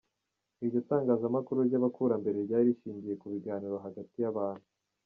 Iryo tangazamakuru ry’abakurambere ryari rishingiye ku biganiro hagati y’abantu.